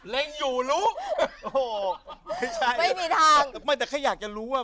อยู่รู้โอ้โหไม่ใช่ไม่มีทางไม่แต่แค่อยากจะรู้ว่า